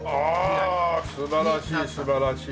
ああ素晴らしい素晴らしい！